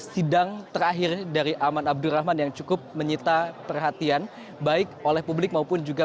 sidang terakhir dari aman abdurrahman yang cukup menyita perhatian baik oleh publik maupun juga